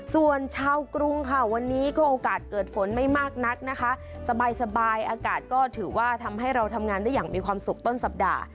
ส่วนชาวกรุงค่ะวันนี้ก็โอกาสเกิดฝนไม่มากนักนะคะสบายอากาศก็ถือว่าทำให้เราทำงานได้อย่างมีความสุขต้นสัปดาห์